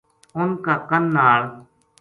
ان کا کن نال